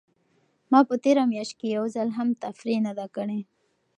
ما په تېره میاشت کې یو ځل هم تفریح نه ده کړې.